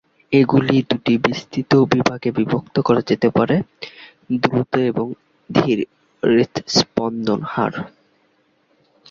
এগুলি দুটি বিস্তৃত বিভাগে বিভক্ত করা যেতে পারে: দ্রুত এবং ধীর হৃৎস্পন্দন হার।